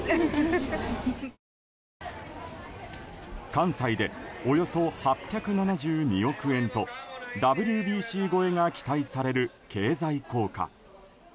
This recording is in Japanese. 関西でおよそ８７２億円とＷＢＣ超えが期待される経済効果。